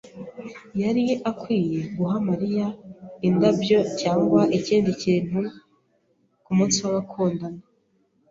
yari akwiye guha Mariya indabyo cyangwa ikindi kintu kumunsi w'abakundana.